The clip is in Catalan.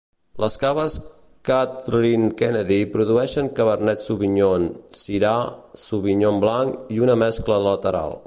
Les caves Kathryn Kennedy produeixen Cabernet Sauvignon, Syrah, Sauvignon blanc i una mescla Lateral.